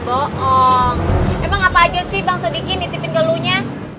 bohong emang apa aja sih bangsa dikit dititipin ke elunya